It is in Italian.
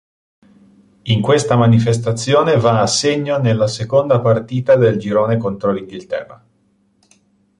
In questa manifestazione va a segno nella seconda partita del girone contro l'Inghilterra.